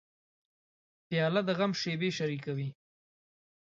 پیاله د غم شېبې شریکوي.